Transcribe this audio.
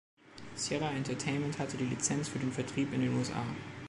Sierra Entertainment hatte die Lizenz für den Vertrieb in den USA.